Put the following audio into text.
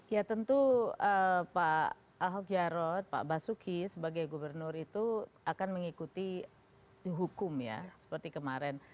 ya tentu pak ahok jarot pak basuki sebagai gubernur itu akan mengikuti hukum ya seperti kemarin